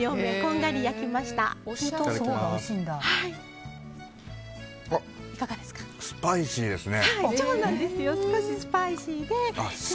わっ、スパイシーですね。